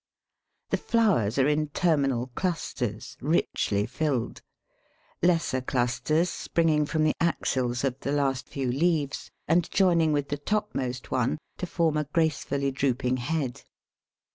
The flowers are in terminal clusters, richly filled; lesser clusters springing from the axils of the last few leaves and joining with the topmost one to form a gracefully drooping head.